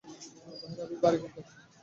ভাই, রাভির বাড়ি কোনটা?